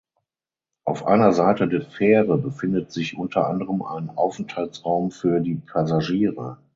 Auf einer Seite der Fähre befindet sich unter anderem ein Aufenthaltsraum für die Passagiere.